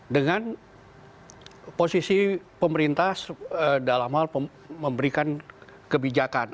dengan posisi pemerintah dalam hal memberikan kebijakan